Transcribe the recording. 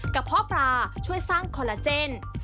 เพาะปลาช่วยสร้างคอลลาเจน